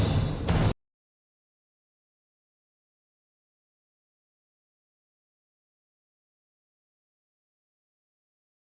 berita terkini mengenai cuaca ekstrem dua ribu dua puluh satu di indonesia